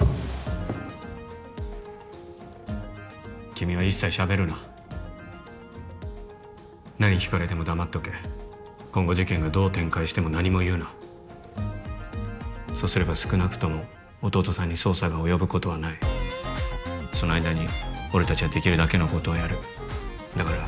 君は一切しゃべるな何聞かれても黙っておけ今後事件がどう展開しても何も言うなそうすれば少なくとも弟さんに捜査が及ぶことはないその間に俺達はできるだけのことはやるだからそれまで頑張れ